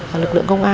các lực lượng công an